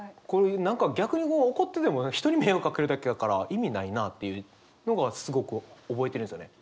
何か逆にこう怒ってても人に迷惑かけるだけやから意味ないなっていうのがすごく覚えてるんすよね。